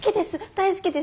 大好きです。